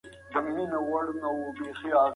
دروېش پر تورو بلاګانو واوښت